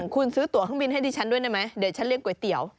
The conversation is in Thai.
คุณซื้อตัวเครื่องบินให้ดิฉันด้วยได้ไหมเดี๋ยวฉันเลี้ยก๋วยเตี๋ยว